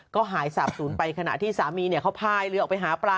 ก็หายสาบศูนย์ไปขณะที่สามีเขาพายเรือออกไปหาปลา